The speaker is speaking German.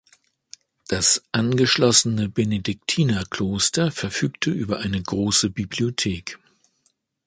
Das angeschlossene Benediktinerkloster verfügte über eine große Bibliothek.